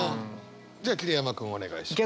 じゃあ桐山君お願いします。